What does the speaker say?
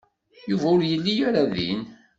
Yuba ur yelli ara din.